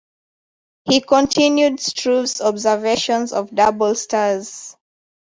He continued Struve's observations of double stars.